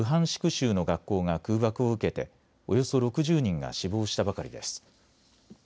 州の学校が空爆を受けておよそ６０人が死亡したばかりです。